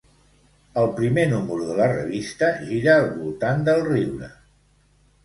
El primer número de la revista gira al voltant del riure.